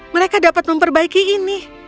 mereka dapat memperbaiki ini